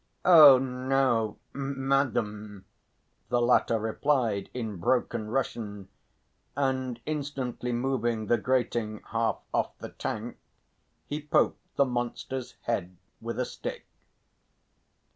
"Oh, no, madam," the latter replied in broken Russian; and instantly moving the grating half off the tank, he poked the monster's head with a stick.